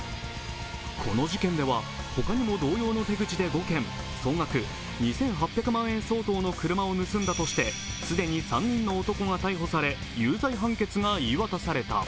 この事件では他にも同様の手口で５件、総額２８００万円相当の車を盗んだとして既に３人の男が逮捕され、有罪判決が言い渡された。